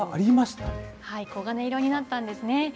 黄金色になったんですね。